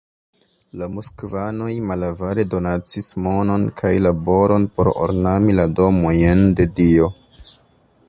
La moskvanoj malavare donacis monon kaj laboron por ornami la domojn de Dio.